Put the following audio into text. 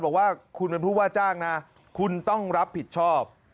บอกว่าคุณกันนี่มันพูดว่าจ้างนะฮะคุณต้องรับผิดชอบ